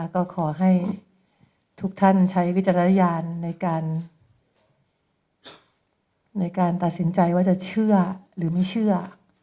ก็ขอให้ทุกท่านใช้วิจารณญาณในการตัดสินใจว่าจะเชื่อหรือไม่เชื่อ